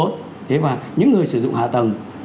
thế và những người sử dụng hạ tầng